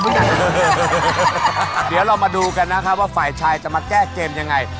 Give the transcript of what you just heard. เดี๋ยวเรามาดูกันนะครับว่าฝ่ายชายจะมาแก้เกมยังไง